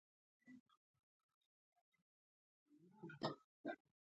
شکره، ګوړه، قند او سرقند دي.